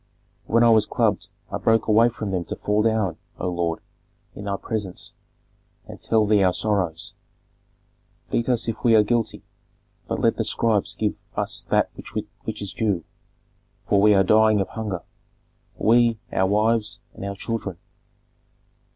When I was clubbed I broke away from them to fall down, O lord, in thy presence, and tell thee our sorrows. Beat us if we are guilty, but let the scribes give us that which is due, for we are dying of hunger, we, our wives, and our children."